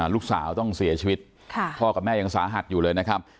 ลูกสาวต้องเสียชีวิตพ่อกับแม่ยังสาหัสอยู่เลยนะครับ